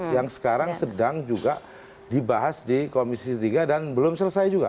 yang sekarang sedang juga dibahas di komisi tiga dan belum selesai juga